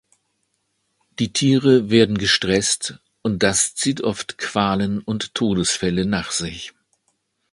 Die Tiere werden gestreßt, und das zieht oft Qualen und Todesfälle nach sich.